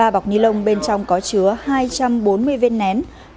ba bọc ni lông bên trong có chứa hai trăm bốn mươi viên nén